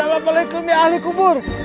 assalamualaikum ya ahli kubur